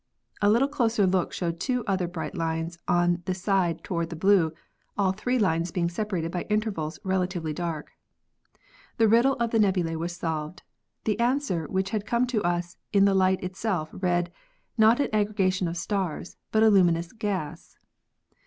A little closer looking showed two other bright lines on the side toward the blue, all three lines being separated by intervals relatively dark. The riddle of the nebulae was solved. The answer, which had come to us in the light itself, read: Not an aggregation of stars, but a luminous gas."